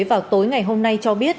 vào tối ngày hôm nay cho biết